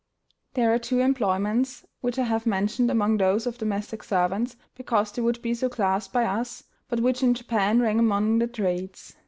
[*318] There are two employments which I have mentioned among those of domestic servants because they would be so classed by us, but which in Japan rank among the trades.